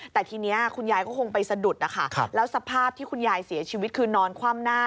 แต่ทีนี้คุณยายก็คงไปสะดุดนะคะแล้วสภาพที่คุณยายเสียชีวิตคือนอนคว่ำหน้า